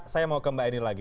saya mau ke mbak eni lagi